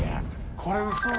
これ嘘だ。